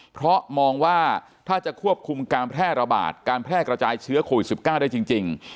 เพราะมองว่าถ้าจะควบคุมการแพร่ระบาดการแพร่กระจายเชื้อโควิด๑๙ได้จริง